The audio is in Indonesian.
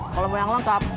kalau mau yang lengkap